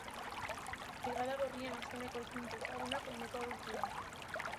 Brigada Gorrien azkeneko ekintza ezagunak ondoko hauek dira.